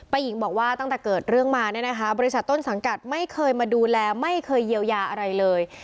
หญิงบอกว่าตั้งแต่เกิดเรื่องมาเนี่ยนะคะบริษัทต้นสังกัดไม่เคยมาดูแลไม่เคยเยียวยาอะไรเลย